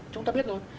chúng ta biết rồi